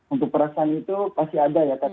untuk perasaan itu pasti ada ya kak ana